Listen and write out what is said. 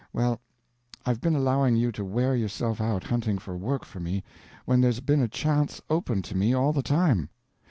Well, I've been allowing you to wear yourself out hunting for work for me when there's been a chance open to me all the time.